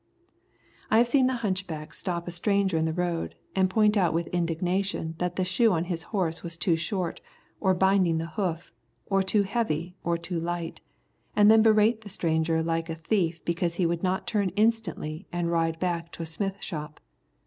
I have seen the hunchback stop a stranger in the road and point out with indignation that the shoe on his horse was too short, or binding the hoof, or too heavy or too light, and then berate the stranger like a thief because he would not turn instantly and ride back to a smith shop.